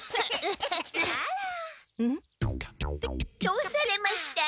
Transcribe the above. どうされました？